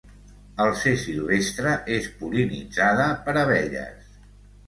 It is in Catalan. Al ser silvestre és pol·linitzada per abelles.